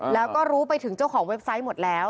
แล้วก็รู้ไปถึงเจ้าของเว็บไซต์หมดแล้ว